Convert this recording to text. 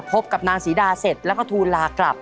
กับนางศรีดาเสร็จแล้วก็ทูลลากลับ